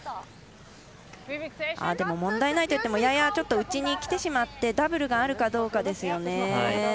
でも、問題ないといってもやや内にきてしまってダブルがあるかどうかですよね。